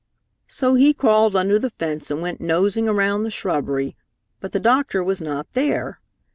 So he crawled under the fence and went nosing around the shrubbery, but the doctor was not there.